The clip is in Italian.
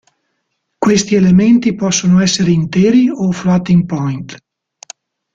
Questi elementi possono essere interi o floating point.